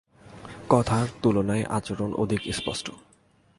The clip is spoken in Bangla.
কথার তুলনায় আচরণ অধিক স্পষ্ট।